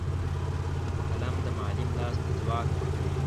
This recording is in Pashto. قلم د معلم لاس ته ځواک ورکوي